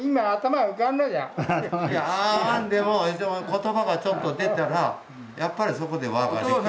言葉がちょっと出たらやっぱりそこで輪が出来る。